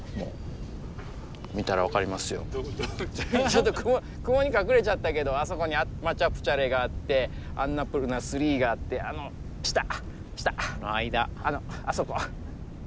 ちょっと雲に隠れちゃったけどあそこにマチャプチャレがあってアンナプルナⅢがあってあの下下間あのあそこ。